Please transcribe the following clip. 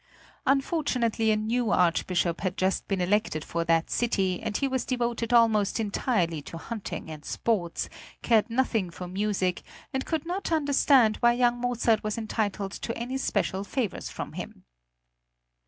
Unfortunately a new Archbishop had just been elected for that city, and he was devoted almost entirely to hunting and sports, cared nothing for music, and could not understand why young Mozart was entitled to any special favors from him.